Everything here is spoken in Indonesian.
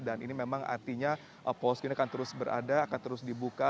dan ini memang artinya posko ini akan terus berada akan terus dibuka